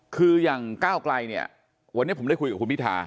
คืออย่างก้าวไกลเนี่ยวันนี้ผมได้คุยกับคุณพิธา